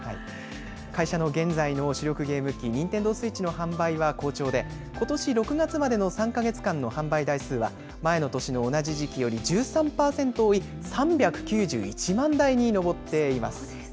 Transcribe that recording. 会社の現在の主力ゲーム機、ニンテンドースイッチの販売は好調で、ことし６月までの３か月間の販売台数は、前の年の同じ時期より１３％多い、３９１万台に上っています。